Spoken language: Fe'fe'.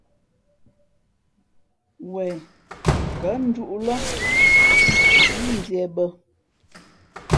Wen kα̌ njūʼ lά sǐʼ mbīē bᾱ.